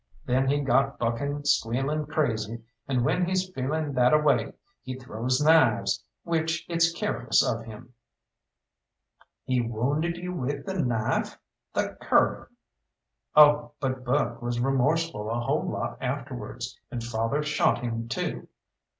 Then he got bucking squealing crazy, and when he's feeling that a way he throws knives, which it's careless of him." "He wounded you with a knife? The cur!" "Oh, but Buck was remorseful a whole lot afterwards, and father shot him too.